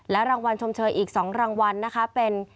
และรางวัลชมเชยอีก๒รางวัลเป็น